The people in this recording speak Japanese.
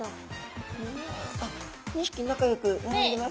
あっ２匹仲よく並んでます。